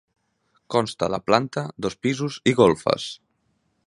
Consta de planta, dos pisos i golfes.